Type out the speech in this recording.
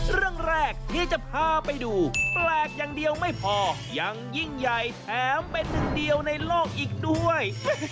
เรื่องแรกที่จะพาไปดูแปลกอย่างเดียวไม่พอยังยิ่งใหญ่แถมเป็นหนึ่งเดียวในโลกอีกด้วย